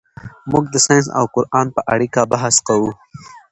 موږ د ساینس او قرآن په اړیکه بحث کوو.